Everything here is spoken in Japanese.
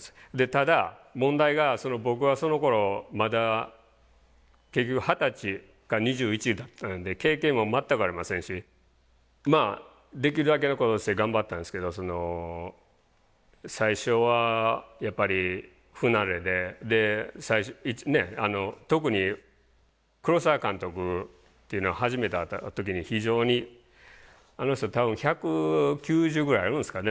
ただ問題が僕はそのころまだ結局二十歳か２１だったので経験も全くありませんしまあできるだけのことして頑張ったんですけど最初はやっぱり不慣れで特に黒澤監督っていうのは初めて会った時に非常にあの人多分１９０ぐらいあるんですかね。